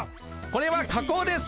これは加工です。